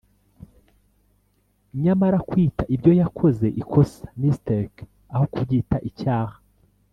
Nyamara kwita ibyo yakoze ‘ikosa’ [mistake] aho kubyita icyaha